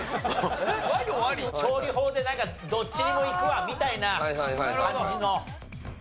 調理法でなんかどっちにもいくわみたいな感じの。